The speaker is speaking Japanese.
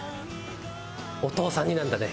お父さん似なんだね。